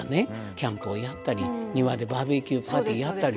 キャンプをやったり庭でバーベキューパーティーやったり。